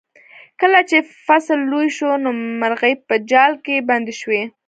کله چې فصل لوی شو نو مرغۍ په جال کې بندې شوې.